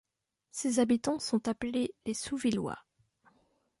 Ses habitants sont appelés les Sousvillois.